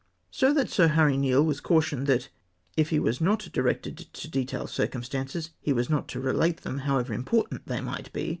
" So that Sir Harry Neale was cautioned that, if he was 7iot directed to detail circumstances, he was not to relate them, however important they might be